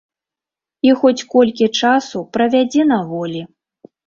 І хоць колькі часу правядзе на волі.